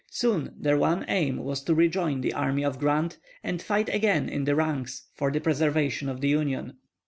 Soon their one aim was to rejoin the army of Grant and fight again in the ranks for the preservation of the Union.